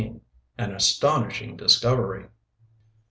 AN ASTONISHING DISCOVERY.